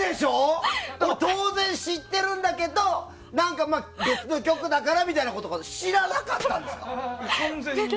当然知ってるんだけど別の局だからみたいなことかと思ったら知らなかったんですか？